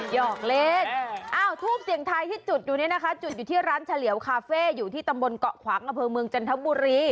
หอกเล่นอ้าวทูปเสียงไทยที่จุดอยู่เนี่ยนะคะจุดอยู่ที่ร้านเฉลียวคาเฟ่อยู่ที่ตำบลเกาะขวางอำเภอเมืองจันทบุรี